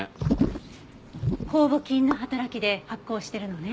酵母菌の働きで発酵してるのね。